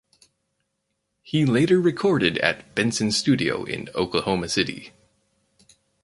He later recorded at Benson Studio in Oklahoma City.